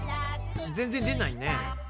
全然出ないね。